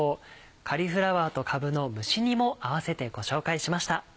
カリフラワーとかぶの蒸し煮も併せてご紹介しました。